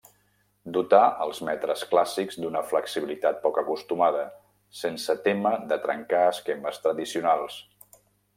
Dotà els metres clàssics d'una flexibilitat poc acostumada, sense témer de trencar esquemes tradicionals.